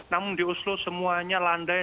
namun di oslo semuanya landai